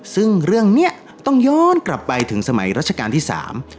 ซึ่งเรื่องเนี้ยต้องย้อนกลับไปถึงสมัยรัชกาลที่สาม